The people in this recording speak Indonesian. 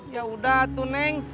ya udah atuneng